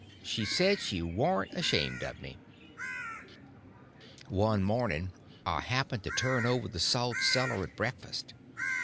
She said she warn't ashamed of me. One morning I happened to turn over the salt cellar at breakfast.